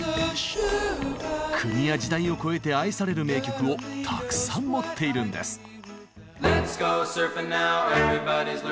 国や時代を超えて愛される名曲をたくさん持っているんです。